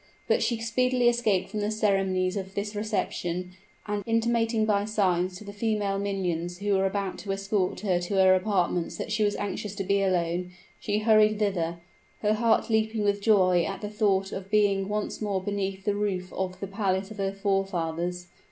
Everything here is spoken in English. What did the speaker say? But she speedily escaped from the ceremonies of this reception: and, intimating by signs to the female minions who were about to escort her to her apartments that she was anxious to be alone, she hurried thither, her heart leaping with joy at the thought of being once more beneath the roof of the palace of her forefathers.